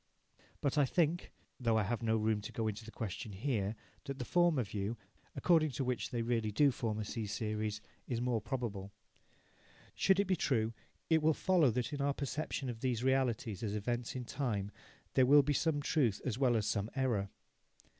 But I think though I have no room to go into the question here that the former view, according to which they really do form a C series, is the more probable. Should it be true, it will follow that in our perception of these realities as events in time, there will be some truth as well as some error.